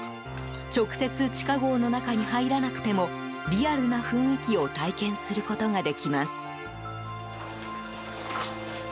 直接、地下壕の中に入らなくてもリアルな雰囲気を体験することができます。